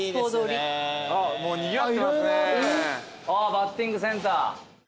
バッティングセンター。